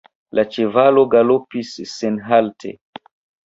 La ĉevalo galopis senhalte.